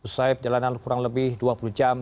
setelah jalanan kurang lebih dua puluh jam